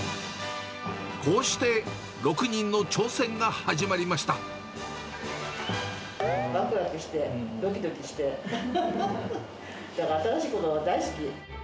こうして６人の挑戦が始まりわくわくして、どきどきして、だから、新しいことが大好き。